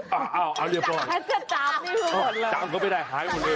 เอ้าเอาเรียบร้อยจำก็ไม่ได้หายหมดเลยเออจำก็ไม่ได้หายหมดเลย